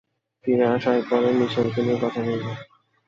ফিরে আসার পরে মিশেলকে নিয়ে কথা বলব।